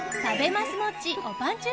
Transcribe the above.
マスモッチおぱんちゅ